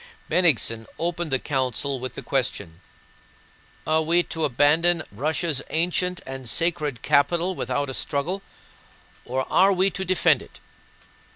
Bennigsen opened the council with the question: "Are we to abandon Russia's ancient and sacred capital without a struggle, or are we to defend it?"